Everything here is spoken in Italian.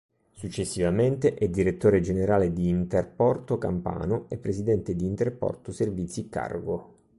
Successivamente è direttore generale di Interporto Campano e presidente di Interporto Servizi Cargo.